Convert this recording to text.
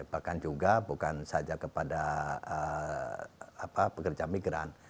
bahkan juga bukan saja kepada pekerja migran